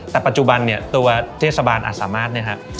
แต่ปัจจุบันเนี่ยตัวเทศบาลอาจสามารถ